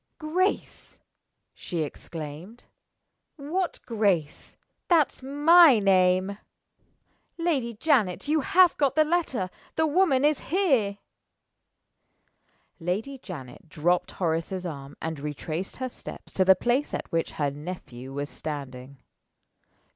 "Grace!" she exclaimed. "What Grace? That's my name. Lady Janet, you have got the letter! The woman is here!" Lady Janet dropped Horace's arm, and retraced her steps to the place at which her nephew was standing.